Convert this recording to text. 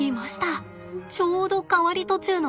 ちょうど変わり途中の子です。